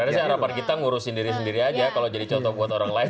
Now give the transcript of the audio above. karena saya harapan kita ngurusin diri sendiri aja kalau jadi contoh buat orang lain